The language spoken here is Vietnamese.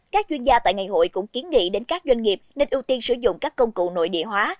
các chuyên gia tại ngày hội cũng kiến nghị đến các doanh nghiệp nên ưu tiên sử dụng các công cụ nội địa hóa